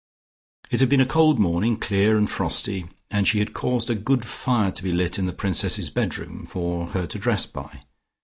It had been a cold morning, clear and frosty, and she had caused a good fire to be lit in the Princess's bedroom, for her to dress by.